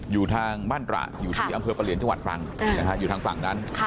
อยู่ทางบ้านตระอยู่ที่อำเภอประเหลียนจังหวัดตรังอยู่ทางฝั่งนั้น